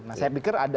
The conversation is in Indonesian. nah saya pikir ada